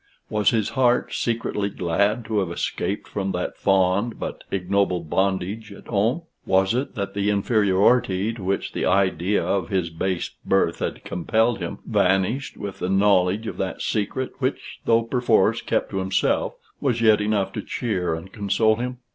Was his heart secretly glad to have escaped from that fond but ignoble bondage at home? Was it that the inferiority to which the idea of his base birth had compelled him, vanished with the knowledge of that secret, which though, perforce, kept to himself, was yet enough to cheer and console him?